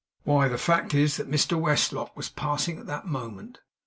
Why, the fact is, that Mr Westlock was passing at that moment.